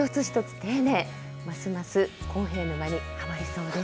丁寧、ますますこうへい沼にはまりそうです。